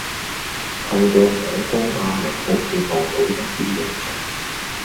透過火光阿明好似望到一啲影像